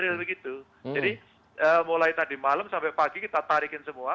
jadi mulai tadi malam sampai pagi kita tarikin semua